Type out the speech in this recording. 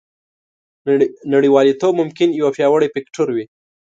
نړیوالتوب ممکن یو پیاوړی فکتور وي